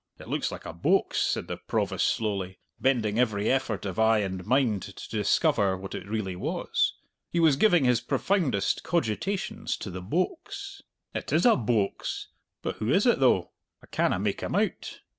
"It looks like a boax," said the Provost slowly, bending every effort of eye and mind to discover what it really was. He was giving his profoundest cogitations to the "boax." "It is a boax! But who is it though? I canna make him out."